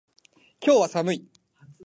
今日は寒い。